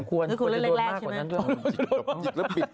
ควรจะโดนมากกว่านั้นด้วย